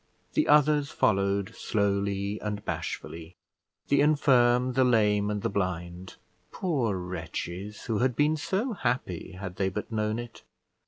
The others followed slowly and bashfully; the infirm, the lame, and the blind: poor wretches! who had been so happy, had they but known it!